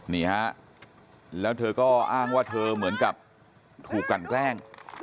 นี่ฮะแล้วเธอก็อ้างว่าเธอเหมือนกับถูกกลั่นแกล้ง